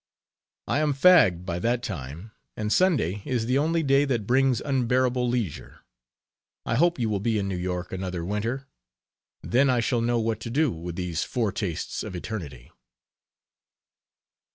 I am fagged by that time, and Sunday is the only day that brings unbearable leisure. I hope you will be in New York another winter; then I shall know what to do with these foretastes of eternity."